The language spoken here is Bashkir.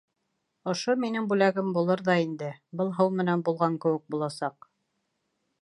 Ошо минең бүләгем булыр ҙа инде... был һыу менән булған кеүек буласаҡ...